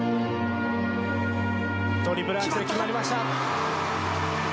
トリプルアクセル決まりました。